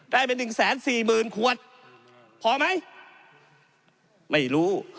ได้เป็น๑๔๐๐๐๐ขวดพอไหมไม่รู้